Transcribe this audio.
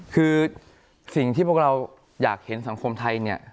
คือสิ่งที่พวกเราอยากเห็นสังคมไทยเนี่ย